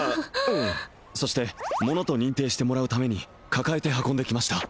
うんそして物と認定してもらうために抱えて運んできました